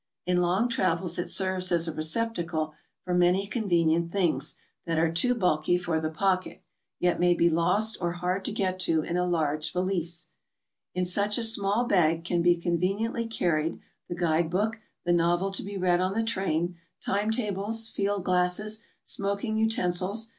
In long travels it serves as a receptacle for many con venient things that are too bulky for the pocket, yet may be lost or hard to get to in a large valise. In such a small bag can be conveniently carried the guide book, the novel to be read on the train, time tables, field glasses, smoking utensils personalities.